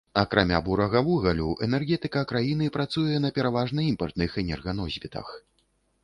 Акрамя бурага вугалю, энергетыка краіны працуе на пераважна імпартных энерганосьбітах.